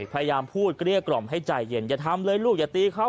พยายามพูดเกลี้ยกล่อมให้ใจเย็นอย่าทำเลยลูกอย่าตีเขา